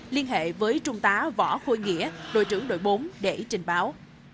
liên hệ với trung tá võ khôi nghĩa đội trưởng đội bốn để trình báo